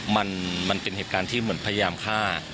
มันเป็นเหตุการณ์ที่เหมือนพยายามฆ่า